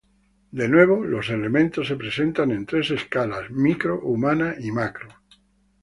De nuevo, los elementos se presentan en tres escalas: micro, humana y macro.